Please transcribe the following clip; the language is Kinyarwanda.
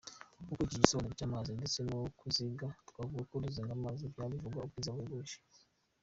Ukurikije igisobanuro cy’imanzi ndetse no kuziga, twavuga ko Ruzigamanzi byaba bivuga ubwiza buhebuje.